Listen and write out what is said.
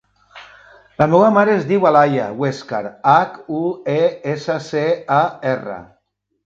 La meva mare es diu Alaia Huescar: hac, u, e, essa, ce, a, erra.